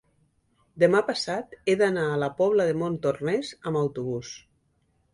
demà passat he d'anar a la Pobla de Montornès amb autobús.